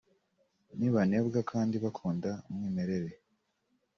ntibanebwa kandi bakunda umwimerere